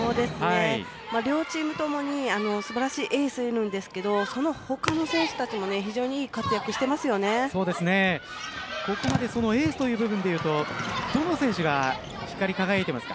両チームともに素晴らしいエースがいるんですけどその他の選手たちもここまでエースという部分で言うとどの選手が光り輝いていますか？